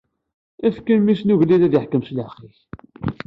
Efk i mmi-s n ugellid ad iḥkem s lḥeqq-ik!